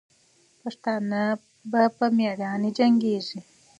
پښتانه به په میړانې جنګېږي.